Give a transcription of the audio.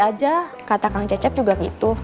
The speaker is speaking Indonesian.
aja kata kang cecep juga gitu